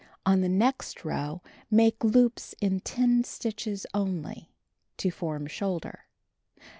On the next row make loops in 10 stitches only — to form shoulder.